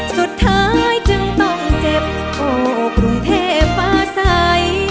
สุดท้ายจึงต้องเจ็บโอ้กรุงเทพฟ้าใส